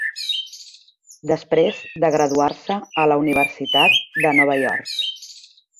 Després de graduar-se a la Universitat de Nova York.